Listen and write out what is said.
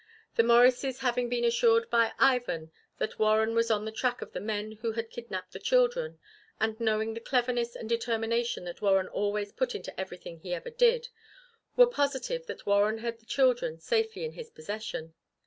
The Morrises having been assured by Ivan that Warren was on the track of the men who had kidnapped the children, and knowing the cleverness and determination that Warren always put into everything he ever did, were positive that Warren had the children safely in his possession.